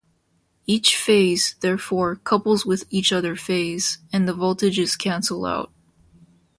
Each phase, therefore, couples with each other phase, and the voltages cancel out.